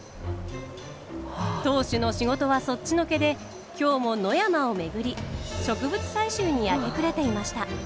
当主の仕事はそっちのけで今日も野山を巡り植物採集に明け暮れていました。